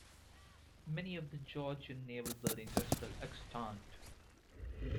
Many of the Georgian naval buildings are still extant.